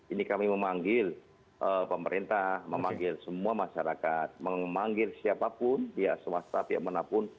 ini kami memanggil pemerintah memanggil semua masyarakat memanggil siapapun pihak swasta pihak manapun